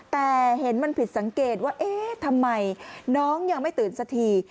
แต่เห็นมันผิดสังเกตว่าเอ๊ะทำไมน้องยังไม่ตื่นสักที